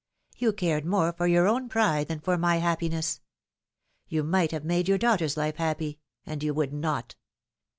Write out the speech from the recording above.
You cared more for your own pride than for my happiness. You might have made your daughter's life happy and you would not.